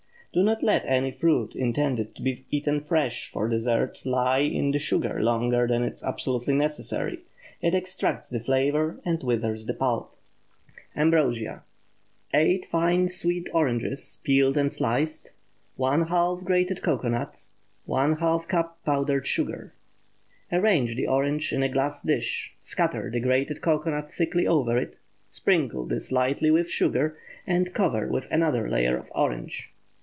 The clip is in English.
Do not let any fruit intended to be eaten fresh for dessert lie in the sugar longer than is absolutely necessary. It extracts the flavor and withers the pulp. AMBROSIA. 8 fine sweet oranges, peeled and sliced. ½ grated cocoanut. ½ cup powdered sugar. Arrange the orange in a glass dish, scatter the grated cocoanut thickly over it, sprinkle this lightly with sugar, and cover with another layer of orange.